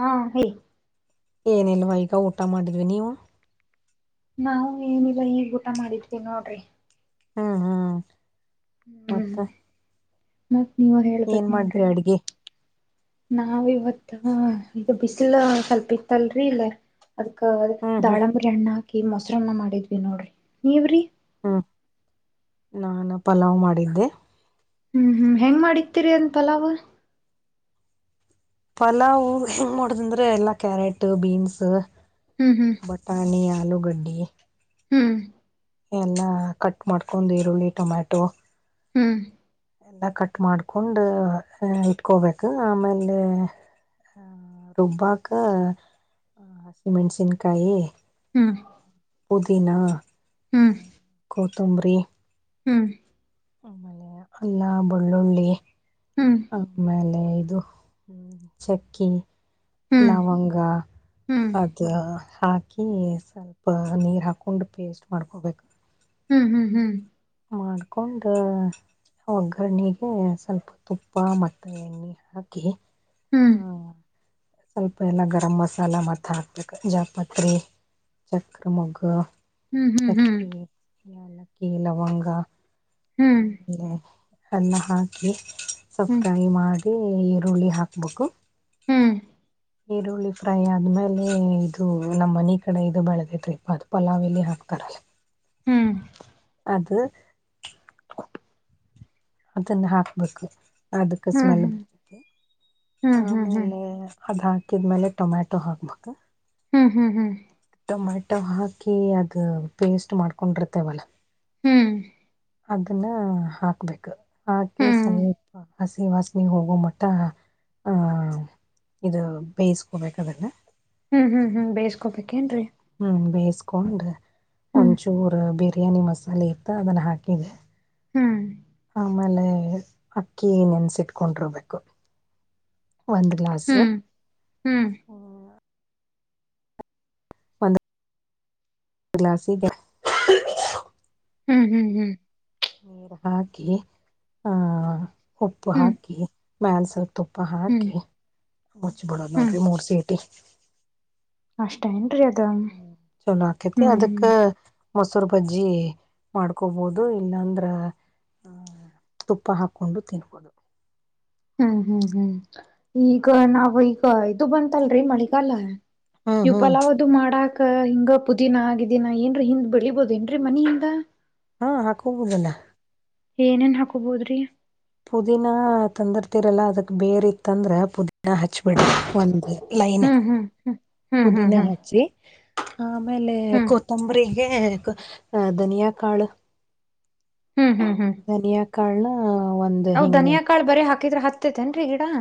ಹಾ ಹೇಳ. ಏನಲ್ವಾ ಈಗ ಊಟ ಮಾಡಿದ್ವಿ ನೀವು.. ನಾವವು ಏನಿಲ್ಲ ಈಗ್ ಊಟ ಮಾಡಿದ್ವಿ ನೋಡ್ರಿ. ಹಾ ಹಾ. ಹ್ಮ್ ಮತ್ತತ್ ನೀವ ಏನ್ ಹೇಳ್ಬೇಕೇ ನಿಂದೆ ಮಾಡಿದ್ರಿ ಅಡ್ಗೆ ನಾವ ಇವತ್ತು ಈಗ ಬಿಸಿಲು ಸ್ವಲ್ಪಿತ್ತಲ್ರಿ ಇಲ್ಲ ಅದ್ಕ್ಕ ಹ್ಮ್ ಹ್ಮ್ ದಾಳಂಬರಿ ಹಣ್ಣ ಹಾಕಿ. ಮೊಸರನ್ನ ಮಾಡಿದ್ವಿ ನೋಡ್ರಿ ನೀವ್ರಿ.. ಹ್ಮ್ ನಾನ ಪಲಾವ್ ಮಾಡಿದ್ದೆ.. ಹ್ಮ್ ಹ್ಮ್ ಹೆಂಗ್ ಮಾಡಿತಿರಿ ಅಂತಲ್ಲ ಅವ ಪಲಾವ್ ಹೆಂಗ್ ನೋಡದ ಅಂದ್ರೆ ಎಲ್ಲಾ ಕ್ಯಾರೆಟ್ ಬೀನ್ಸ್.. ಹ್ಮ್ ಬಟಾನಿ ಆಲೂ ಗಡ್ಡಿ. ಹ್ಮ್ ಎಲ್ಲ ಕಟ್ ಮಾಡ್ಕೊಂಡ್ ಈರುಳ್ಳಿ ಟೊಮ್ಯಾಟೊ ಹ್ಮ್.. ಎಲ್ಲ ಕಟ್ ಮಾಡ್ಕೊಂಡು ಇಟ್ಕೋಬೇಕು ಆಮೇಲೆ.. ರುಬ್ಬಾಕ ಸಿಮೆಂಟ್ಸನ್ಕಾಯಿ.. ಹಾ.. ಪುದೀನಾ ಕತ್ತಂಬ್ರಿ. ಹ್ಮ.. ಆಮೇಲೆ ಅಲ್ಲ ಬೆಳ್ಳುಳ್ಳಿ ಹ್ಮ್ ಹ್ಮ್ ಆಮೇಲೆ.. ಅದು ಚಕ್ಕಿ ಹ್ಮ್ ಲವಂಗ ಹ್ಮ್ ಅದು. ಹಾಕಿ ಸ್ವಲ್ಪ ನೀರ್ ಹಾಕೊಂಡ್ ಪೇಸ್ಟ್ ಮಾಡ್ಕೊಬೇಕು.. ಹ್ಮ್ ಹ್ಮ್ ಹ್ಮ್... ಮಾಡ್ಕೊಂಡ.. ಒಗ್ಗರಣೆಗೆ ಸ್ವಲ್ಪ ತುಪ್ಪ ಮತ್ತ ಎಣ್ಣೆ ಹಾಕಿ.. ಹ್ಮ್ ಆ, ಸ್ವಲ್ಪ ಎಲ್ಲ ಗರಂಮಸಾಲ ಮ ಹಾಕ್ಬೇಕ ಜಾಪಾತ್ರಿ ಚಕ್ರಮೊಗ್ಗು ಹ್ಮ್ ಹ್ಮ್ ಹ್ಮ್ ಲಕ್ಕಿ ಲವಂಗ ಹ್ಮ್ ಆಮೇಲೆ ಎಲ್ಲ ಹಾಕಿ ಸ್ವಲ್ ಹ್ಮ್ ಫ್ರೈ ಮಾಡಿ ಈರುಳ್ಳಿ ಹಾಕ್ಬೇಕು ಹ್ಮ್ ಹ್ಮ್ ಹ್ಮ್ ಈರುಳ್ಳಿ ಫ್ರೈ ಆದ್ಮೇಲೆ ಇದು ನಮ್ಮ್ ಮನ ಕಡೆ ಇದು ಬೆಳೆದೇತ್ ರೀತ್ ಪಲಾವ ಎಲ್ಲಿ ಹಾಕ [unintelligible] ಹ್ಮ್ ಅದು ಅದನ್ನ ಹಾಕ್ಬೇಕು ಅದಕ್ಕೆ ಹ್ಮ್ ಹ್ಮ್ ಹ್ಮ್ ಹ್ಮ್ ಸ್ಮೆಲ್ ಬರ್ತದೆ ಆ ಹ್ಮ್ ಆಮೇಲೆ ಹ್ಮ್ ಅದ ಹಾಕ ಹಾಕಿದ್ಮೇಲೆ ಟೊಮ್ಯಾಟೊ ಹಾಕ್ಬೇಕ ಹ್ಮ್ ಹ್ಮ ಹ್ಮ್ ಟೊಮೆಟೊ ಹಾಕಿ ಅದು ಪೇಸ್ಟ್ ಮಾಡ್ಕೊಂಡಿರ್ತೇವಲ್ಲ ಹ್ಮ್ ಅದನ್ನ ಹಾಕ್ಬೇಕು ಹಾಕಿ ಹ್ಮ್ ಸ್ವಲ್ಪ ಹಸಿ ವಾಸನೆ ಹೋಗೋ ಮಟ್ಟ ಆಹ ಇದು ಬೇಯಿಸ್ಕೋಬೇಕದನ್ನ ಹ್ಮ್ ಹ್ಮ್ ಬೇಯಸ್ಕೋಬೇಕೇನ್ರಿ ಹ್ಮ್ ಬೇಯಿಸಕೊಂಡ್ ಹ್ಮ್ ಒಂಚೂರ್ ಬಿರಿಯಾನಿ ಮಸ ಸಲ ಇತ್ತ ಅದನ್ನು ಹಾಕಿದ್ದ ಹ್ಮ್ ಆಮೇಲೆ ಅಕ್ಕಿ ನೆನ್ಸಿಟ್ಕೊಂಡಿರ್ಬೇಕು ಒಂದು ಗ್ಲಾಸ್ ಹ್ಮ್ ಹ್ಮ್ ಹ್ಮ ಒಂದು ಗ್ಲಾಸ್ ಇದೆ ಹ್ಮ್ ಹ್ಮ್ ಹ್ಮ್ ನೀರ್ ಹಾಕಿ ಆ ಉಪ್ಪು ಹ್ಮ್ ಹಾಕಿ ಮ್ಯಾಲ ಸ್ವಲ್ಪ ತುಪ್ಪ ಹ್ಮ್ ಹಾಕಿ ಮುಚ್ಚಬಿಡೋದ್ ಹ್ಮ್ ನೋಡ್ರಿ ಮೂರ್ ಸೀಟಿ ಅಷ್ಟ ಅದ ಹ್ಮ್ ಹ್ಮ ಸಕತಿ ಹ್ಮ್ ಅದಕ್ಕೆ ಸುರುಬಜ್ಜಿ ಮಾಡ್ಕೊಬೋದು ಇಲ್ಲಾಂದ್ರೆ ತುಪ್ಪ ಹಾಕೊಂಡು ತಿನ್ಬೋದು ಹ್ಮ್ ಹ್ಮ್ ಹ್ಮ್ ಈಗ ನಾವ್ ಈಗ ಇದು ಬಂತಲ್ರಿ ಮಳಗಾಲ ಹ್ಮ್ ಇವವು ಹ್ಮ್ ಪಲಾವದು ಮಾಡಾಕ್ ಅ ಹಿಂಗ ಪುದೀನ ಆಗಿದ್ದೀನಾ ಏನ್ರೀ ಹಿಂದ್ ಬೆಳಿಬೋದ ಏನ್ರೀ ಮನ ಹಿಂದ ಹಾ ಹಾಕೋಗಬೋುದಲ್ಲ ಏನೇನ್ ಹಾಕೋಬೋದ್ರಿ ಪುದೀನ ತಂದಿರ್ತಿರಲ್ಲ ಅದಕ್ ಬೇರ್ ಇತ್ತಂದ್ರ ಪುದನ ಹಚ್ಬಿಡ ಒಂದ ಲೈನ್ ಹ್ಮ್ ಹ್ಮ್ ಹ್ಮ್ ಹ್ಮ್ ಪುದೀನ ಹ್ಮ್ ಹ್ಮ್ ಹಚ್ಚಿ ಆಮೇಲೆ ಹ್ಮ್ ಕೊತ್ತಂಬರಿಗೆ ಧನಿಯಾಕಾಳು ಧನಿಯಾ ಕಲ್ಲ ನಾವ್ ಧನಿಯಾಳ ಬರ ಹಾಿದ್ರ ಹತ್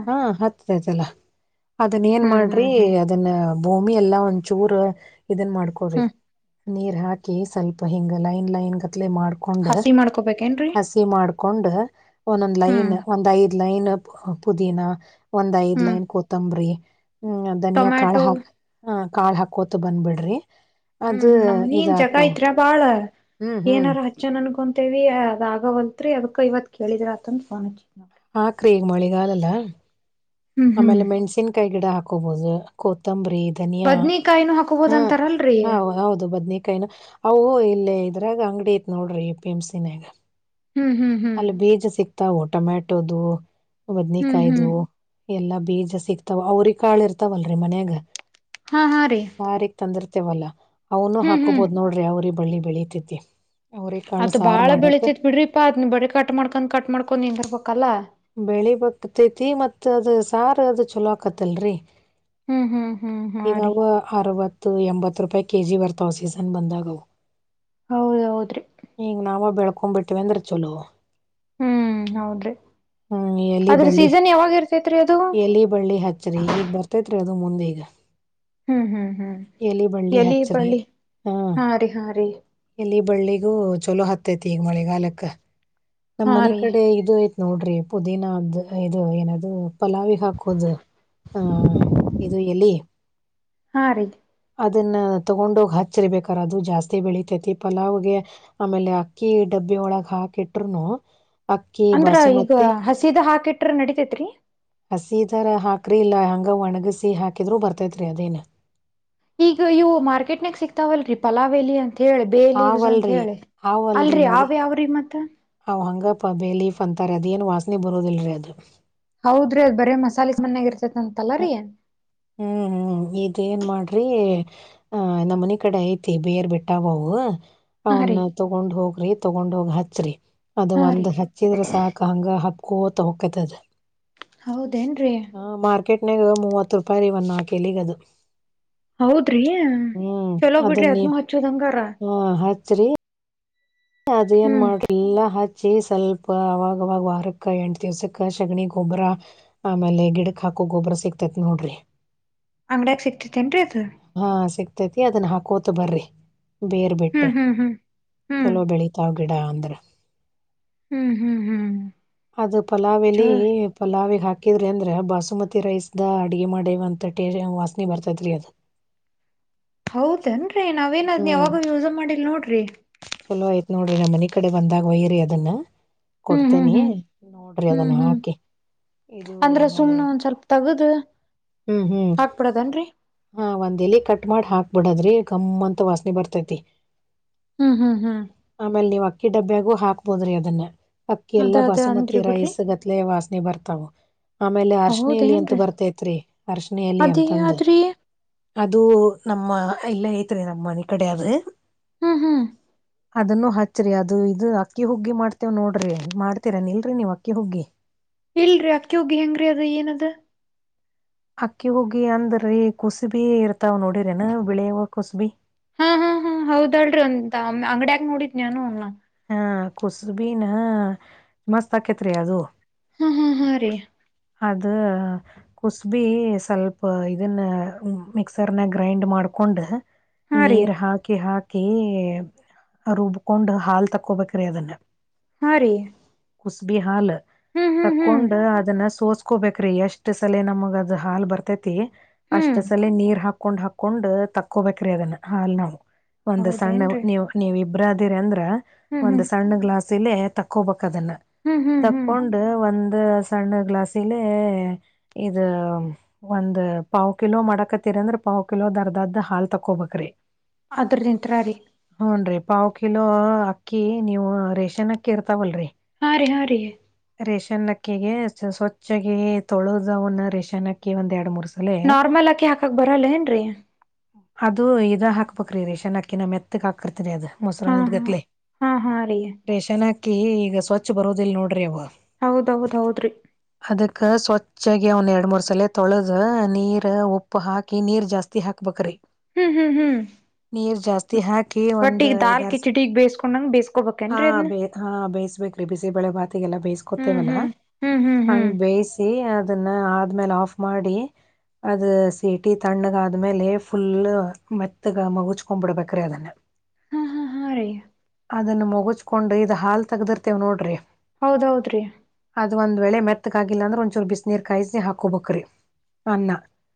ಹಾ ಹತ್ತದೈತಲ್ಲ ಅದನ್ ಏನ್ ಹ್ಮ್ ಹ್ಮ್ ಮಾಡ್ರಿ ಹ್ಮ್ ಅದನ್ನ ಭೂಮಿ ಎಲ್ಲಾ ಒಂ ಚೂರ್ ಇದನ್ ಮಾಡ್ಕೊಡ್ರಿ ಹ್ಮ್ ನೀರ್ ಹಾಕಿ ಸ್ವಲ್ಪ ಹಿಂಗ ಲೈನ್ ಲೈನ್ ಮಾಡ್ಕೊಂಡ್ ಹಸಿ ಮಾಡ್ಕೋಬೇಕೇನ್ರಿ ಹಸಿ ಮಾಡ್ಕೊಂಡ್ ಒಂದೊಂದ್ ಹ್ಮ್ ಲೈನ್ ಒಂದ್ ಐದು ಲೈನ್ ಪುದೀನಾ ಒಂದ್ ಐದ್ ಹ್ಮ್ ಲೈನ್ ಕೂತಂಬ್ರಿ ಹ್ಮ್ ಧನಿಯಾ ಕಾಳ ಟೊಮ್ಯಾಟೊ ಹಾಕ್ ಕಾಳ ಹಾಕೋತ ಬಂದ್ಬ ಬಿಡ್ರಿ ಹ್ಮ್ ನಮ್ಮನನ್ ಜಗ ಐತ್ರರ ಬಾಳ ಹ್ಮ್ ಹ್ಮ್ ಏನಾರ ಹಚ್ಚನ್ ಅನ್ಕೊಂತೇವಿ ಅದ ಆಗವಲ್ತ್ರಿ ಅದಕ್ಕ ಇವತ್ ಕೇಳಿದ್ರ ಅತಂದ ಫೋನ್ ಹಚ್ಚಿ ನೋಡ್ರಿ ಹಾಕ್ರಿ ಈಗ ಮಳಿಗಾಲಲ್ಲ ಹ್ಮ್ ಹ್ಮ್ ಆಮೇಲೆ ಮೆಣ್ಸಿನ್ಕಾಯಿ ಗಿಡ ಹಾಕ ಬಂಬ [inaudible] ನಿಯಾ ಬದ್ನಿಕಾಯಿನೂ ಹಾಕೋಬೋದ ಹ ಅಂತಾರಲ್ರರಿ ಹ ಹೌದು ಬದನೇಕಾಯ ಅ ಇ ಅದ್ರಾಗ ಅಂಗಡಿ ಐತ್ ನೋಡ್ರಿ ಎ ಪಿ ಎಮ್ ಸ ನಾಗ ಹ್ಮ್ ಹ್ಮ್ ಹ್ಮ್ ತಾವು ಟೊಮ್ಯಾಟೊದು ಹ್ಮ್ ಬದನೇಕಾಯ್ದ ಹ್ಮ್ ಎಲ್ಲಾ ಬೀಜ ಸಿಗ್ತಾವ ಅವ್ರ ಕಾಳ ಇರ್ತಾವಲ್ರರಿ ಮನ್ಯಾಗ ಹಾ ಹಾ ರೀ ಸಾರಿಗೆ ತಂದಿರ್ತ ೇವಲ್ಲ [unintelligible] ಅವನು ಹ್ಮ್ ಹ್ಮ್ ಹಾಕೋಬಹ್ ನೋಡ್ರಿ ಅವ್ರ ಬಳ್ಳಿ ಬೆಳೀತತಿ ಅದ ಬಾಳ ಬೆಳತತಿತ್ ಬಿಡ್ರಿ ಪಾ ಅದ್ ನೀ ಬಡಿ ಕಟ್ ಮಾಡ್ಕೊಂಡ್ ಕಟ್ ಮಾಡ್ಕೊಂಡ್ ಹೆಂಗರ್ಬಬೇಕಲ್ಲಾ ಬೆಳಿ ಬಕ್ತೈತಿ ಮತ್ ಅದ್ ಸಾರ ಅದ್ ಚಲೋ ಆಕತ್ತಲ್ರಿ ಹ್ಮ್ ಹ್ಮ್ ಹ್ಮ್ ಹಾ ರೀ ಇದಾವ ಅರವತ್ತು [unintelligible] ಮತ್ತು ಎಂಬತ್ತು ರೂಪಾಯಿ ಕೆ ಜಿ ಬರ್ತಾವ ಸೀಸನ್ ಬಂದಾಗುವ ಹೌದ್ ಹೌದ್ರಿ ಈಗ ನಾವ ಬೆಳ್ಕೊ ಬಿಟ್ಟವೆಂದ್ರ ಚಲು ಹ್ಮ್ ಹೌದ್ರಿ ಹ್ಮ್ ಎಲಿ ಅದ್ರ ಬಳ್ಳಿ ಸೀಸನ್ ಯಾವಾಗ ಇರ್ತೇತ್ರಿ ಅದು ಎಲಿ ಬಳ್ಳಿ ಹಚ್ಚ್ರಿ ಈಗ್ ಬರ್ತೇತ್ರಿ ಅ ಅದು ಮುಂದೆ ಈಗ ಹ್ಮ್ ಹ್ಮ್ ಹ್ಮ್ ಎಲಿ ಬಳ್ಳಿ ಎಲಿ ಹಚ್ಚ್ರಿ ಬಳ್ಳಿ ಹಾ ರೀ ಹಾ ರೀ ಎಲಿ ಬಳ್ಳಿಗೂ ಚೊಲೋ ಹತ್ತೈತಿ ಈಗ ಮಳೆಗಾಲಕ್ಕ ನಮ್ಮ್ ಹಾ ಮನೆ ರೀ ಕಡೆ ಇದು ನೋಡ್ರಿ ಪುದೀನದ ಇದು ಏನೂ ಪಲಾವಿ ಹಾಕೋುದು ಆಹ್ ಇದು ಎಲ್ಲಿ ಹಾ ರೀ ಅದನ್ನ ತಗೊಂಡ ಹೋಗಿ ಹಚ್ಚರಿಬೇಕಾರ ಅದು ಜಾಸ್ತಿ ಬೆಳಿತೈತಿ ಪಲಾವ್ಗೆ ಆಮೇಲೆ ಅಕ್ಕಿಡ [unintelligible] ಬ್ಬಿ ಒಳಗ್ ಹಾಕಿಟ್್ರರುನು ಅಂದ್ರ ಈಗ ಹಸೀದ ಹಾಕಿಟ್ರ ನಡಿತೇತ್ರಿ ಹಸಿ ತರ ಹಾಕ್ರಿ ಇಲ್ಲ ಹಂಗ ಒಣಗಸಿ ಹಾಕಿದ್ರರು ಬರ್ತೈತ್ರಿ ಅದೇನ ಈಗ ಇವು ಮಾರ್ಕೆಟ್ನಾಗ ಸಿಗ್ತಾವಲ್ ಪಲಾವ್ ಎಲೆ ಅಂತ ಹೇಳಿ ಬೇ ಲವ್ಸ್ ಅಂತ ಹಾವಲ್ರಿ ಹೇಳಿ ಅಲ್ರರಿ ಅವಾವ ಯಾವ್ರಿ ಮತ್ತ [unintelligible] ನಾವು ಹಂಗ ಪ ಬೇ ಲೀಫ್ ಅಂತಾರೆ ಅದೇನು ವಾಸನೆ ಬರೋದಿಿಲ್ಲರರಿ ಅದು ಹೌದ್ರಿ ಅದ್ ಬರೇ ಮಸಾಲೆ ಮನ್ಯಾಗ ಇರ್ತೇತಿ ಅಂತಲ್ಲರೀಏನ್ ಹ್ಮ್ ಹ್ಮ್ ಹ್ಮ್ ಇದ ಏನ್ ಮಾಡ್ರಿ ಆ ನಮ್ಮ್ ಮನ ಕಡೆ ಐತಿ ಬೇಯರ್ ಬೆಟ್ಟಾವ ಅವು ಹಾ ರೀ ಅವನ್ನ ತಗೊಂಡ್ ಹೋಗ್ರಿ ತಗೊಂಡ್ ಹೋಗಿ ಹಚ್ಚ್ರಿ ಅದು ಹಾ ರೀ ಒಂದ್ ಹಚ್ಚಿದ್ರ ಸಾಕ ಹಂಗ ಹಬ್ಕೊತ ಹೋಕತದ ಹೌದೇನ್ರೀ ನಗ ಮೂವತ್ತು ರೂಪಾಯಿ ರೀ ನಾಕ್ ಎಲಿಗೆ ಅದ ಹೌದ್ರಿ ಹ್ಮ್ ಚಲೋ ಅದ ಬಿಡ್ರಿ ನೀ ಅದ್ನು ಹಚ್ಚೋದಂಗಾರ ಹ್ಮ ಹಚ್ ರೀ ಅದ ಏನ್ ಹ್ಮ್ ಮಾಡ್ರಿಲ್ಲಾ ಹಚ್ಚಿ ಸ್ವಲ್ಪ ಅವಾಗವಾಗ ವಾರಕ್ಕ ಎಂಟು ದಿವ್ಸಕ್ಕೆ ಸೆಗಣಿ ಗೊಬ್ಬರ ಆಮೇಲೆ ಗಿಡಕ ಹಾಕ ಗೊಬ್ಬರ ಸಿಕ್ತೈತ್ ನೋಡ್ರಿ ಅಂಗಡಿಯಾಗ ಸಿಗ್ತತಿನ್ರರಿ ಅದು [unintelligible] ಹಾಂ ಅದನ್ನ ಹಾಕೋತ ಬರ್ರಿ ಬೇರ್ ಬಿಟ್ಟ ಹ್ಮ್ ಹ್ಮ್ ಹ್ಮ್ ಹ್ಮ್ ಚಲೋ ಬೆಳೀತಾ ಗಿಡಾ ಆಂಧ್ರ ಹ್ಮ್ ಹ್ಮ್ ಹ್ಮ್ ಅದು ಪಲಾವ ಎಲಿ ಚ ಪಲಾವಿ ಹಾಕ್ ಹಾಕಿದ್ರಿ ಅಂದ್ರೆ ಬಾಸುಮತಿ ರೈಸ್ ದ ಅಡುಗೆ ಮಾಡೇವಂತ ಟೇ ವಾಸನೆ ಬರ್ತೈತ್ರಿ ಅದ ಹೌದೇನ್ರರಿ ನಾವೇನದ್ ಯಾವಾಗ ಯೂಸ ಮಾಡಿಲ್ ನೋಡ್ರಿ ಚಲೋ ಆಯ್ತ್ ನೋಡ್ರಿ ನಮ್ಮ್ ಮನ ಕಡೆ ಬಂದಾಗ ವಯರಿ ಅದನ್ನ ಹ್ಮ್ ಹ್ಮ್ ಕೊಡ್ತೇನಿ ನೋಡ್ರಿ ಅದನ್ನ ಹಾಕಿ ಇದು ಅಂದ್ರೆ ಸುಮ್ನೆ ಒಂದ ಸ್ವಲ್ಪ ತಗದು ಹ್ಮ್ ಹ್ಮ್ ಹಾಕ್ಬಿಡದನ್ರಿ ಹಾ ಒಂದ ಎಲೆ ಕಟ್ ಮಾಡಿ ಹಾಕ್ಬ ಬಿಡದ್ರೆ ಗಮ್ಮ ಅಂತ ವಾಸನೆ ಬರ್ತೈತಿ ಹ್ಮ್ ಹ್ಮ್ ಹ್ಮ್ ಕಿಡಬ್ಬ್ಯಾಗು ಹಾಕ್ಬೋದ್ರಿ ಅದನ್ನ ಅಕ್ಕಿ ಅದ ಎಲ್ಲಾ ಅದ ಬಾಸುಮತಿ ಅಂದ್ರಿ ಬಿಡ್ರಿ ರೈಸ್ ಗತ್ಲೆ ವಾಸನೆ ಬರ್ತವು ಆಮೇಲೆ ಅರ್ಶನಿಲಿ ಅಂತ ಹೌದೇನ್ರಿ ಬರ್ತೈತ್ರಿ ಅರಿಶಿನ ಎಲಿ ಅದೇ ಅಂತಂದ ಆದ್ರಿ ಅದು ನಮ್ಮ ಇಲ್ಲೇ ಐತ್ರಿ ನಮ್ಮನೆ ಈ ಕಡೆ ಅದ ಹ್ಮ್ ಹಾ ಅದನ್ನು ಹಚ್ಚ್ರಿ ಅದು ಇದು ಅಕ್ಕಿ ಹುಗ್ಗಿ ಮಾಡ್ತೇವ್ ನೋಡ್ರಿ ಮಾಡ್ತೀರ ನಿ ಇಲ್ರರಿ ನೀವ್ ಅಕ್ಕಿ ಹುಗ್ಗಿ ಇಲ್ರರಿ ಅಕ್ಕಿಹುಗಿ ಹೆಂಗ್ರರಿ ಅದ ಏನದ ಅಕ್ಕಿ ಹೋಗಿ ಅಂದ್ರೀ ಕುಸುಬಿ ಇರ್ತಾವ್ ನೋಡರೇನಾ ಬಿಳಿವ ಕುಸುಬಿ [unintelligible] ಹಾ ಹಾ ಹಾ ಹೌದಲ್ಲ ರಿ ಒಂದ ಅಂಗಡಿಯಾಗ ನೋಡಿದ್ ನಾನು ಹ ಕುಸುಬೀನ ಮಸ್ತ್ ಆಕೇತ್ರಿ ಅದು ಹಾ ಹಾ ಹಾ ರೀ ಅದ ಕುಸ್ಬಿ ಸ್ವಲ್ಪ ಇದನ್ನ ಮಿಕ್ಸರ್ನ ಗ್ರೈಂಡ್ ಮಾಡ್ಕೊ ಕೊಂಡ ಹಾ ರೀ ನೀರ್ ಹಾಕಿ ಹಾಕಿ ರುಬ್ಕೊಂಡ ಹ ತಕ್ಕೋಬೇಕ್ರೀ ಅದನ್ನ ಹಾ ರೀ ಕುಸ್ಬಿ ಹಾಲ್ ಹ್ಮ್ ಹ್ಮ್ ಹ್ಮ್ ತಕೊಂಡು ಅದನ್ನ ಸೋಸ ಕೋಬೇಕ್ರೀ ಎಷ್ಟ್ ಸಲ ನಮಗ ಅದು ಹಾಲ್ ಬರ್ತೇತಿ ಅಷ್ಟ್ ಹ್ಮ್ ಸಲ ನೀರ್ ಹಾಕಿ ಹಾಕೊಂಡ್ ಹಾಕೊಂಡ್ ತಕ್ಕೋಬೇಕ್ರಿ ಅದನ್ನ ಹಾಲ್ ನಾವು ಒಂದ್ ಸಣ್ಣ ಹೌದೇನ್ರಿ ನೀವು ನೀವು [unintelligible] ಇಬ್ಬರ ಇದಿರಿ ಅಂದ್ರ ಹ್ಮ್ ಒಂದ್ ಹ್ಮ್ ಸಣ್ಣ ಗ್ಲಾಸ್ ಇಲ್ಲೆ ತಕ್ಕೋಬೇಕ ಅದನ್ನ ಹ್ಮ್ ಹ್ಮ್ ಹ್ಮ್ ತಕೊಂಡ ಒಂದ ಸಣ್ಣ ಗ್ಲಾಸಲೆ ಇದ ಒಂದು ಪಾವ ಕಿಲೋ ಮಾಡಕ ತಿ ಅಂದ್ರ ಪಾವಕಿಲೋದ ಅರ್ದಾದ್ದ ಹಾಲ ತಕೋಬೇಕ್ರೀ ಅದ್ರರಿಂತ್ರ ರೀ ಪಾವು ಕಿಲೋ ಅಕ್ಕಿ ನೀವು ರೇಷನ್ ಅಕ್ಕಿ ಇರ್ತಾವಲ್ರರಿ ಹಾ ರೀ ಹಾ ರೀ ರೇಷನ್ ಅಕ್ಕಿಗೆ ಸ್ವಚ್ಚಾಗಿ ತೊಳೋದಅವನ್ನ ರೇಷನ್ ಅಕ್ಕಿ ಒಂದ್ ಎರಡು ಮೂರು ನಾರ್ಮಲ್ ಅಕ್ಕಿ ಹಾಕಕ್ ಬರಲ್ಲ ಏನ್ರಿ ಅದು ಇದ ಹಾಕ್ಬೇಕ್ರಿ ರೇಶೆನ ಅಕ್ಕಿನೆ ಮೆತ್ತಗ್ ಹಾಕತರಿ ಅದು ಹಾ ಮೊಸರನದ್ ಹಾ ಗತ್ಲೆ ಹಾ ಹಾ ರೀ ರೇಶನ ಅಕ್ಕಿ ಈಗ ಸ್ವಚ್ಛ ಬರೋದಿಲ್ಲ ನೋಡ್ರಿ ಅವ ಹೌದೌದ್ ಹೌದ್ರಿ ಸ್ವಚ್ಚಾಗಿ ಅವನ್ ಎರಡ್ ಮೂರ್ ಸಲ ತೊಳೆದ ನೀರ್ ಉಪ್ಪು ಹಾಕಿ ನೀರ್ ಜಾಸ್ತಿ ಹಾಕ್ಬೇಕ್ರಿ ಹ್ಮ್ ಹ್ಮ್ ಹ್ಮ್ [unintelligible] ಹಾಕಿ ಬಟ್ ಒಂದ್ ಈಗ ದಾಲ್ ಐದಾರು ಸರ ಕಿಚಡಿಗ್ ಬೇಸ್ಕೊಂಡಂಗ ಹಾ ಬೇಸ್ಕೋಬೇಕೇನ್ರೀ ಅದ್ನ ಬೆ ಹಾ ಬೆ ಬೇಯಿಸಬೇಕ್ರಿ ಬಿಸಿಬಳೆ ಭಾತಿಗೆಲ್ಲ ಹ್ಮ್ ಬೇಯಿಸಕೋತೇವಲ್ಲಾ ಹ್ಮ್ ಹ್ಮ್ ಹ್ಮ್ ಹ್ಮ್ ಹಂಗ್ ಬೇಯಿಸಿ ಅದನ್ನ ಆದ್ಮೇಲೆ ಆಫ್ ಮಾಡಿ ಅದ ಸೀಟಿ ತಣ್ಣಗ ಆದ್ಮೇಲೆ ಫುಲ್ ಮೆತ್ತಗ ಮಗುಚ್ಕೊ ಬಿಡ್ಬೇಕ್ರಿ ಅದನ್ನ ಹಾ ಹಾ ಹಾ ರಿ ಅದನ್ನು ಮುಗಚಕೊಂಡು ಇದು ಹಾಲು ತೆಗ್ದಿರ್ತೇವೆ ನೋಡಿರಿ ಹೌದೌದ್ರಿ ಅದು ಒಂದ್ ವೇಳೆ ಮೆತ್ತಕ್ ಆಗಿಲ್ಲ ಅಂದ್ರೆ ಒಂದಂಚೂರು ಬಿಸ ನೀರ್ ಕಾಯಿಸಿ ಹಾಕೋಬೇಕ್ರಿ ಅನ್ನ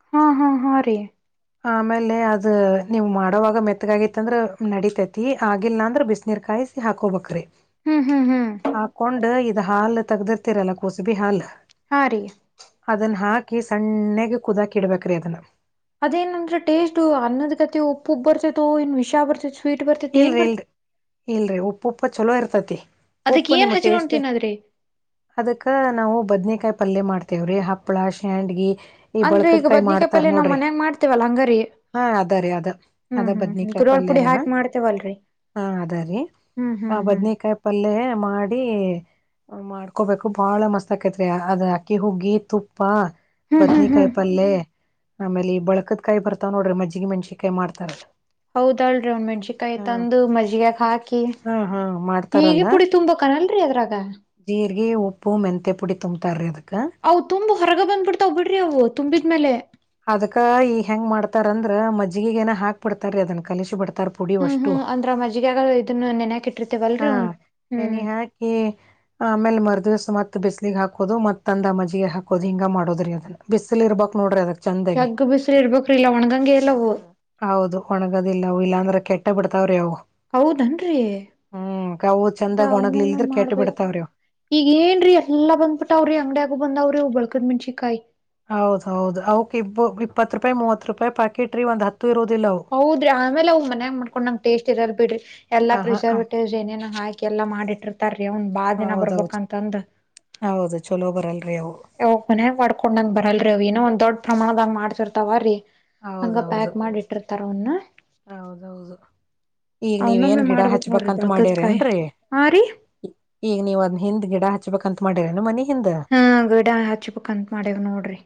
ಹಾ ಹಾ ಹಾ ರೀ ಆಮೇಲೆ ಅದ ನೀವ್ ಮಾಡೋವಾಗ ಮೆತ್ತಗಾಗಿತ್ತಂದ್ರ ನಡಿತತಿ ಆಗಿಲ್ಲ ಅಂದ್ರ ಬಿಸ ನೀರ್ ಕಾಯಿಸಿ ಹಾಕೋಬೇಕ್ರೆ ಹ್ಮ್ ಹ್ಮ್ ಹ್ಮ್ ಹಾಕೊಂಡ ಹಾಲ್ ತಗ್ದಿರ್ತಿರಲ್ಲ ಕೋಸುಬಿ ಹಾಲ್ ಹಾ ರೀ ಅದನ್ನ ಹಾಕ ಹಾಕಿ ಸಣ್ಣಗ್ ಕುದಾಕಿ ಇಡ್ಬೇಕ್ರಿ ಅದನ್ನ ಅದೇನಂದ್ರ ಟೇಸ್ಟ್ ಶಬರ್ ತ ಇಲ್ರಿ ಇಲ್ರಿ ಇಲ್ರಿ ಉಪ್ಪುಪ್ಪ ಚಲೋ ಇರ್ತೈತಿ ಅದಕ್ ಉಪ್ಪು ಏನ್ ನಿಮ್ಮ ಹಚ್ಕೊಂಡ್ ಟೇಸ್ಟ್ ತಿನ್ನದ್ರಿ ಅದಕ್ಕ ನಾವು ಬದನ ಕಾಯಿ ಪಲ್ಯ ಮಾಡ್ತೇವ್ರೀ ಹಪ್ಳ ಶ್ಯಾಂಡಗಿ ಅಂದ್ರೆ ಈಗ ಬದನಿಕಾಯಿಪಲ್ಯಾ ನಾವ್ ಮನ್ಯಾಗ ಮಾಡ್ತೀವಲ್ಲಾ ಅಂಗಾರ ಹಾ ಅದ ರೀ ಅದ ಅದ ಬದ್ನಿಕಾಯ ಗುರೋಳ್ ಪುಡಿ ಪಲ್ಯನ ಹಾ ಹಾಕಿ ಮಾಡ್ತೇವಲ್ರರಿ ಅದ ರೀ ಹ್ಮ್ ಆ ಹ್ಮ್ ಹ್ಮ್ ಬದನೇಕಾಯಿ ಪಲ್ಯ ಮಾಡಿ ಅವ ಮಾಡ್ಕೋಬೇಕು ಬಹಳ ಮಸ್ತ್ ಆಕೈತ್ರಿ ಅದ್ ಅಕ್ಕಿ ಹುಗ್ಗಿ ತುಪ್ಪ ಪ್ಪಾ ಹ್ಮ್ ಬದನಿ ಹ್ಮ್ ಹ್ಮ್ ಕಾಯಪಲ್ಲೆ ಆಮೇಲೆ ಬಳಕದಕಾಯಿ ಬರ್ತವ್ ನೋಡ್ರಿ ಮಜ್ಜಿಗೆ ಮೆಣಸಿನಕಾಯಿ ಮಾಡತಾರಲ್ಲ ಹೌದಹೇಳರಿ ಅವು ಮೆಣಸಿನಕಾಯಿ ತಂದು ಮಜ್ಜಿಗ್ಯಾಕ ಹಾಕಿ ಹಾ ಹಾ ಹೀಗೆ ಮಾಡ್ತಾರಲ್ಲ ಪುಡಿ ತುಂಬಕಾನಲ್ರಿ ಅದ್ರಾಗ ಜೀರಿಗಿ ಉಪ್ಪು ಮೆಂತೆ ಪುಡಿ ತುಂಬತಾರ ರೀ ಅದಕ್ಕೆ ಅ ತುಂಬ ಹೊರಗ ಬಂದ್ಬಿಡ್ತಾವ್ ಬಿಡ್ರಿ ಅವು ತುಂಬಿದ್ಮೇಲೆ ಅದಕ್ಕ ಈ ಹೆಂಗ ಮಾಡ್ತಾರಂದ್ರ ಮಜ್ಜಗಿ ಏನ ಹಾಕ ಬಿಡ್ತಾರೀ ಅದನ್ ಕಲಿಸಿ ಬಿಡ್ತ ಪುಡಿ ಹ್ಮ್ ಅಷ್ಟು ಹ್ಮ್ ಅಂದ್ರ ಮಜ್ಜಿಗ್ಯಾಗ ಇದನ್ನ ನೆನ್ಯಾಕ್ ಹಾ ಇಟ್ಟಿರ್ತೇವಲ್ರಿ ಅವ್ನ್ ನೆನ ಹ್ಮ್ ಹಾಕಿ ಆ ಆಮೇಲೆ ಮರುದಿವಸ ಮತ್ತೆ ಬಿಸ್ಲಿಗೆ ಹಾಕೋದು ಮತ್ತ ಅಂದ ಮಜ್ಜಿಗೆ ಹಾಕೋದು ಹಿಂಗ ಮಾಡೋದ್ರಿ ಅದನ್ನ ಬಿಸಿಲ್ ಇರ್ಬೇಕಕ್ ನೋಡ್ರಿ ಅದಕ್ಕೆ ಚಂದಗೆ ಜಗ್ಗ್ ಬಿಸ್ಲ್ ಇರ್ಬೇಕ್ರಿ ಇಲ್ಲ ಒಣಗಂಗೆ ಇಲ್ಲ ಅವು ಹೌದು ಒಣಗದಿಲ್ಲ ಇಲ್ಲ ಅಂದ್ರೆ ಕೆಟ್ಟಬಿಡ್ತಾವ್ರಿ ಅವು ಹೌದಏನ್ರಿ ಹ್ಮ್ ಅವು ಚಂದ್ ಒಣಗ್ಲಲ್ದ್ರೆ ಕೆಟ್ಟ ಬಿಡ್ತಾವ್ರೀವು ಈಗಏನ್ರೀ ಎಲ್ಲ ಬಂದಬಿಟ್ಟ ಅವ್ರಿ ಅಂಗಡಿಯಾಗು ಬಂದಾವ್ರಿ ಅವು ಬಳಕದ ಮೆಣಸಿಕಾಯಿ ಹೌದ ಹೌದು ಅವಕ್ ಇಬ್ಬ ಇಪ್ಪತ್ತು ರೂಪಾಯಿ ಮೂವತ್ ರೂಪಾಯಿ ಪಾಕೆಟ್ ರಿ ಒಂದ್ ಹತ್ತು ಇರೋದಿಲ್ಲ ಅವು ಹೌದ್ರಿ ಆಮೇಲೆ ಅವ ಮನ್ಯಾಗ ಮಾಡ್ಕೊಂಡ್ ನಂಗ ಟೇಸ್ಟ್ ಇರಲ್ ಬಿಡ್ರಿ ಎಲ್ಲ ಹ ಹಾ ಪ್ರಿಸರ್ವೇಟಿವ್ಸ್ ಏನೇ ಹಿ ಎಲ್ಲಾ ಮಾಡಿಟ್ಟಿರ್ತಾರಿ ಅವನ್ ಬಾ ದಿನ ಹೌದೌದು ಬರ್ಬಂತಂದ ಹೌದು ಚಲೋ ಬರಲ್ರಿ ಅವು ಯಾವೋಗ್ ಮನ್ಯಾಗ ಮಾಡ್ಕೊಂಡಂದ್ ಬರಲ್ರಿ ರ ಅವಿನ ಒಂದ್ ದೊಡ್ ಪ್ರಮಾಣದಾಗ್ ಮಾಡ್ಸಿರ್ತಾವ ರೀ ಹಂಗ ಹೌದೌದು ಪ್ಯಾಕ್ ಮಾಡಿ ಇಟ್ಟಿರ್ತಾರ ಅವನ್ನ ಹೌದೌದು ಈಗ ನೀವ್ ಏನ್ ಅವನ್ನೊಮ್ಮೆ ಗಿಡ ಮಾಡ್ಬೇಕಕ್ ನೋಡ್ರಿ ಹಚ್ಬೇಕಂತ ಬೆಳ್ಗದಕಾಯಿ ಮಾಡಿರೇನ್ರರಿ ಹಾ ರೀ ಈಗ ನೀವು ಅದ್ ಹಿಂದ್ ಗಿಡ ಹಚ್ಬೇಕಂತ ಮಾಡಿರೇನು ಮನಿ ಹಿಂದ ಹಾ ಗಡ ಹಚ್ಪುಕ್ಂತತ್ ಮಾಡ್ಯವ್ ನೋಡ್ರಿ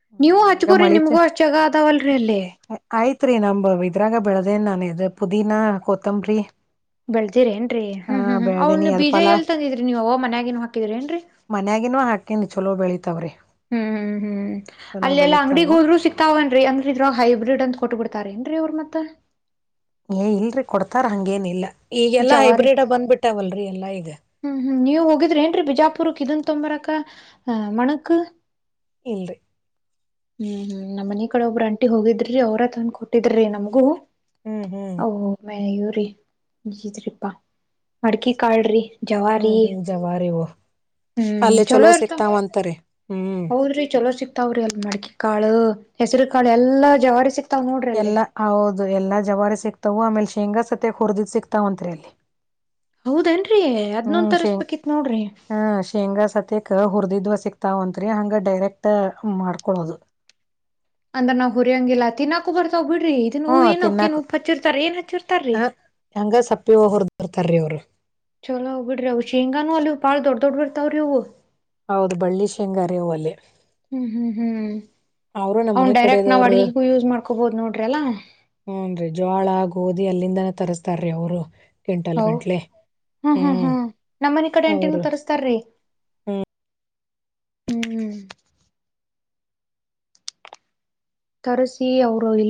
ಹ್ಮ್, ನೀವು ಈಗ ಹಚ್ಕೋರಿ ಮಳಿ ಚ ನಿಮ್ಗೂ ಅಷ್ಟ್ ಜಾಗ ಅದಾವಲ್ರರಿ ಅಲ್ಲಿ ಆಯ್ತ್ರಿ ನಮ ಇದ್ರಾಗ ಬೆಳದೇನ್ ನಾನ ಇದು ಪುದೀನಾ ಕೊತಂಬ್ರಿ ಬೆಳತಿರಿ ಏನ್ರರಿ ಹ್ಮ್ ಹ್ಮ್ ಹ್ಮ್ ಅವ್ ಅದ್ ಬೀಜ ಪಲಾ ಎಲ್ ತಂದಿದ್ರಿ ನೀವ ಅವ ಮನ್ಯಾಗೇನು ಹಾಕಿದ್ರಿ ಏನ್ರರಿ ನಗನ್ವ ಹಾಕಿನಿ ಚಲೋ ಬೆಳಿತಾವ್ರಿ ಚಲೋ ಅಲ್ಲೆಲ್ಲ ಅಂಗಡಿ ಬೆಳಿತಾವು ಹೋದ್ರು ಸಿಕ್ತಾವನ್ರಿ ಅಂಗ್ರ ಇದ್ರಾಗ ಹೈಬ್ರಿಡ್ ಅಂತ ಕೊಟ್ಟಟ್ ಬಿಡ್ತಾರ ನ್ೀ ಅವ್ರ ಮತ್ತ ತ್ತ ಏ ಇಲ್ರಿ ಕೊಡ್ತಾರ ಹಂಗೇನಿಲ್ಲ ಜವಾ ರೀ ಈಗ ಹ್ಮ್ ಹ್ಮ್ ನೀವು ಹೋಗಿದ್ರಿ ಏನ್ ಬಿಜಾಪುರಕ್ಕೆ ಇದಂತ ತತ್ತೊಂಬರಕ್ಕ ಆ ಮಣಕ್ ಇಲ್ರಿ ಹ್ಮ್ ಹ್ಮ್ ನಮ್ಮ ಮನ ಕಡೆ ಒಬ್ಬ್ರ ಅಂಟಿ ಹೋಗಿದ್ರಿ ಅವ್ರ ತಂದ ಕೊಟ್ಟಿದ್ರೀಮಗೂ ಹ್ಮ್ ಹ್ಮ್ ಓ ಮಯ್ಯೂ್ರೀ ತ್್ಪ್ಪ ಅಡ್ಕಿ ಕಾಳ್ರಿ ಜವಾರ ಹ್ಮ್ ಹ್ಮ್ ಜವಾರಿವು ಹ್ಮ್ ಅಲ್ಲಿ ಚಲೋ ಇರ್ತ ಸಿಕ್ತಾವಂತರಿ ಹ್ಮ್ ಹೌದ್ರಿ ಚಲೋ ಸಿಕ್ತಾವ್ರಿ ಅಲ್ ಮಡಕೆ ಕಾಳು ಹೆಸರು ಕಾಳು ಎಲ್ಲಾ ಜವಾರಿ ಸಿಕ್ತ ಎಲ್ಲ ಹೌದು ಎಲ್ಲಾ ಜವಾರಿ ಸಿಕ್ತವು ಆಮೇಲೆ ಶೇಂಗಾ ಸತ್ತ ಹುರಿದಿದ್ ಸಿಕ್ತಾವ ಅಂತ್ರಿ ಅಲ್ಲಿ ಹೌದೇ ಹ್ಮ್ ಶೇಂಗ ಹ್ಮ್ ಶೇಂಗಾ ಸತ್ಯ ಕ ಹುರ್ ್ವ ಸಿಕ್ತಾವಂತ್ರಿ ಹಂಗ ಡೈರೆಕ್ಟ್ ಮಾಡ್ಕೊಳೋದು ಅಂದ್ರ ನಾವುುರಿಯಂಗಿಲ್ಲ ತಿಿನಾಕು ಬರ್ತಾವ್ ಬಿಟ್ಟ ೀ ಇದನ್ ಹೂ ಹ್ಮ ಏನಕ್ಕಏನ್ ತಿನ್ನಾಕ್ ಉೂಪ್ಪ ಹಚ್ಚಿರ್ತಾರ ಏನ್ ಹಚ್ಚಿರ್ತಾರೀ ಬರ್ತರ ಅವರು ಚಲೋ ಹೋಗ್ ಬಿಡ್ರಿ ಹವುಷ ಹಂಗಾನನು ಅಲ್ಲಿ ಬಾಳ ದೊಡ್ ದೊಡ್ ಬಿರ್ತಾವ್ರೀ ಅವು ಹೌದು ಬಳ್ಳಿ ಶೇಂಗಾರ ಹ ಅಲೆ ಅವನ್ ಡೈರೆಕ್ಟ್ ನಾವ್ ಅಡ್ಗಗೂ ಯೂಸ್ ಮಾಡ್ಕೊಬೋದು್ ನೋಡ್ರಿ ಅಲ್ಲಾ ಹ್ನ್ ರೀ ಜೋಳ ಆ ಓದಿ ಅಲ್ಲಿಂದಾನೇ ತರಿಸಸ್ತಾರ್ರಿ ಅವರು ಹೌ ಹ್ಮ್ ಹ್ಮ್ ಹ್ಮ್ ನಮ್ಮನ ಕಡೆ ಎಂಟಿನು ಅವ್ರು ತರಿಸ್ತಾರ್ರಿ ಹ್ಮ್ ತರಸಿ ಅವರು ಇಲ್ಲ